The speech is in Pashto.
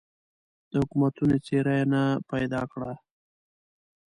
د حکومتونو څېره یې نه پیدا کړه.